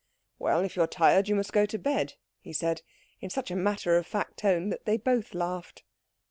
"Well, if you are tired you must go to bed," he said, in such a matter of fact tone that they both laughed.